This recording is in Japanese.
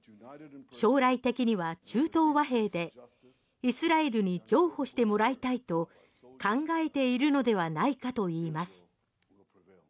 将来的には中東和平でイスラエルに譲歩してもらいたいと考えているのではないかといいます。